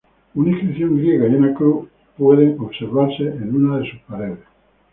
Una inscripción griega y una cruz cristiana pueden observarse en una de sus paredes.